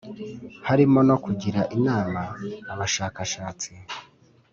harimo no kugira inama abashakashatsi